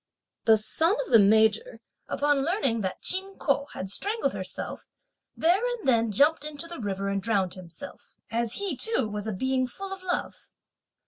The son of the Major, upon learning that Chin Ko had strangled herself, there and then jumped into the river and drowned himself, as he too was a being full of love.